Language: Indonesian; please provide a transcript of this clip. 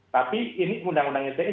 tapi ini undang undangnya